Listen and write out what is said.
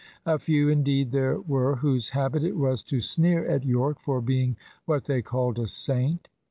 A few, indeed, there were whose habit it was to sneer at Yorke for being what they called "a saint."